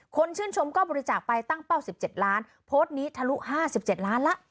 ชื่นชมก็บริจาคไปตั้งเป้า๑๗ล้านโพสต์นี้ทะลุ๕๗ล้านละ